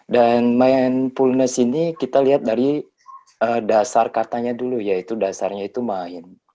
dan mindfulness ini kita lihat dari dasar katanya dulu yaitu dasarnya itu main